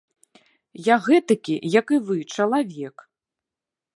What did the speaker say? Я гэтакі, як і вы, чалавек.